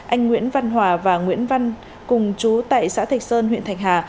anh nguyễn văn hòa và nguyễn văn cùng chú tại xã thạch sơn huyện thạch hà